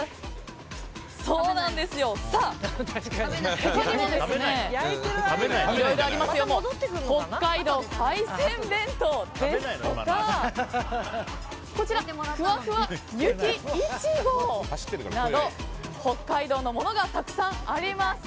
他にも北海道海鮮弁当ですとかふわふわゆきいちごなど北海道のものがたくさんあります。